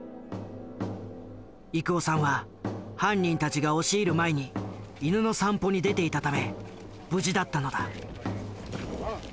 郁男さんは犯人たちが押し入る前に犬の散歩に出ていたため無事だったのだ。